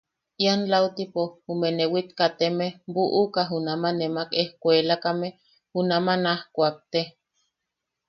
Ian lautipo jume newit kateme buʼuka junama nemak ejkuelakame junama naj kuakte.